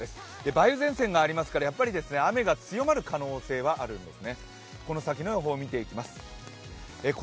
梅雨前線がありますから雨が強まる可能性はあるんです。